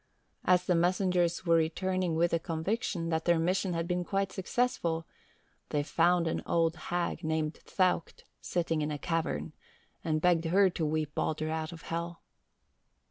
As the messengers were returning with the conviction that their mission had been quite successful, they found an old hag named Thaukt sitting in a cavern, and begged her to weep Baldur out of Hel.